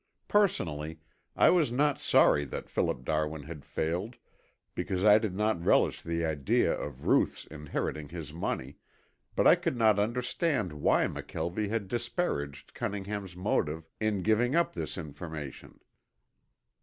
Personally, I was not sorry that Philip Darwin had failed, because I did not relish the idea of Ruth's inheriting his money, but I could not understand why McKelvie had disparaged Cunningham's motive in giving us this information.